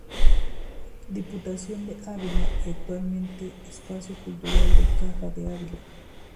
Diputación de Ávila, y actualmente Espacio Cultural de Caja de Ávila.